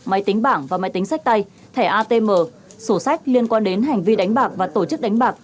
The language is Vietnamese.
máy tính bảng và máy tính sách tay thẻ atm sổ sách liên quan đến hành vi đánh bạc và tổ chức đánh bạc